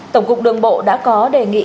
tổng cục đường bộ đã có đề nghị